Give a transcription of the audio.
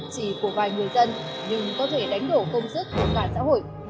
chỉ của vài người dân nhưng có thể đánh đổ công sức của toàn xã hội